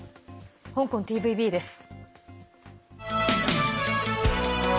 香港ＴＶＢです。